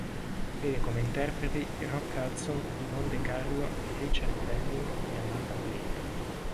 Vede come interpreti Rock Hudson, Yvonne De Carlo, Richard Denning e Amanda Blake.